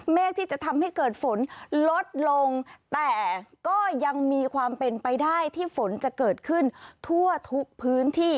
เมฆที่จะทำให้เกิดฝนลดลงแต่ก็ยังมีความเป็นไปได้ที่ฝนจะเกิดขึ้นทั่วทุกพื้นที่